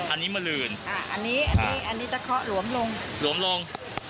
อันนี้มะลืนอันนี้จะเค้าะหลวมลงหลวมลง